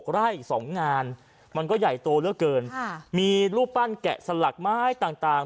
ไร่๒งานมันก็ใหญ่โตเหลือเกินมีรูปปั้นแกะสลักไม้ต่าง